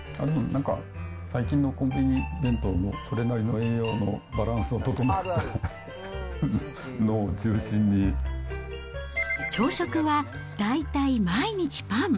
なんか、最近のコンビニ弁当、それなりの栄養のバランスを整ったのを中心朝食は大体毎日パン。